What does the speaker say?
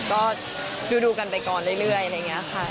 ก็คือดูกันไปก่อนเรื่อยอะไรอย่างนี้ค่ะ